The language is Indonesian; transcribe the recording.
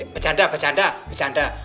kejanda kejanda kejanda